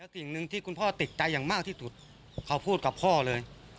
สิ่งหนึ่งที่คุณพ่อติดใจอย่างมากที่สุดเขาพูดกับพ่อเลย